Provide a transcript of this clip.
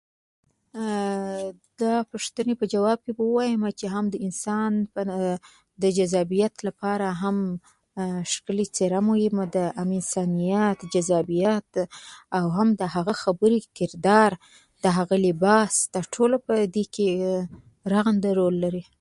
ګيدړ، او شغال ،توپير لري خو د يوه کورنۍ څخه دي